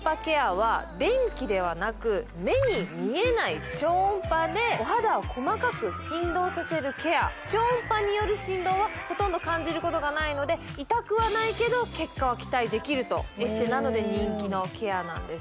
今回の目に見えない超音波でお肌を細かく振動させるケア超音波による振動はほとんど感じることがないので痛くはないけど結果は期待できるとエステなどで人気のケアなんです